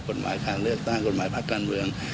กฎหมายการเลือกตั้งกฎหมายพักการเมือง